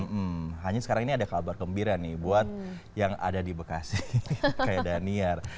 hmm hanya sekarang ini ada kabar gembira nih buat yang ada di bekasi kayak daniar